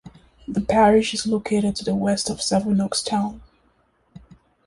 The parish is located to the west of Sevenoaks town.